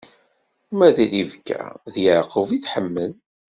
Ma d Ribka, d Yeɛqub i tḥemmel.